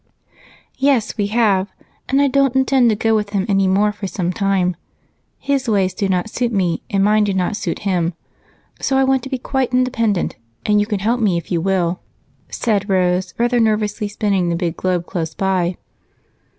"Yes, I have, and I don't intend to go with him any more for some time. His ways do not suit me, and mine do not suit him, so I want to be quite independent, and you can help me if you will," said Rose, rather nervously spinning the big globe close by.